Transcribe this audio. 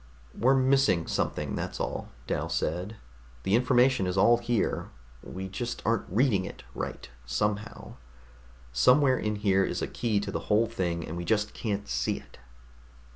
"We're missing something, that's all," Dal said. "The information is all here. We just aren't reading it right, somehow. Somewhere in here is a key to the whole thing, and we just can't see it."